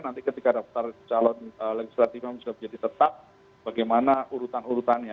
nanti ketika daftar calon legislatifnya bisa jadi tetap bagaimana urutan urutannya